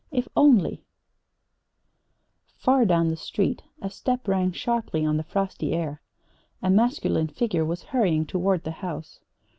If only Far down the street a step rang sharply on the frosty air. A masculine figure was hurrying toward the house.